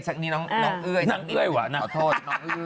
นางเอ้ยว่ะขอโทษ